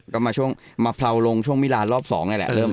๒๐๑๐ก็มาเผลาลงช่วงมิราณรอบ๒เนี่ยแหละ